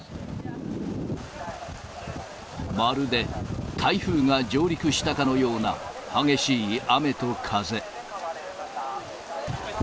まるで台風が上陸したかのような激しい雨と風。